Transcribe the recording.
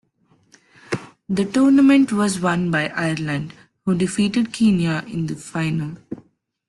The tournament was won by Ireland who defeated Kenya in the final.